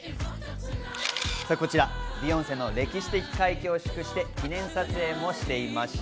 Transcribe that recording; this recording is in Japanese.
ビヨンセの歴史的快挙を祝して記念撮影もしていました。